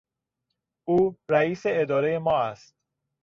او رئیس ادارهی ما است.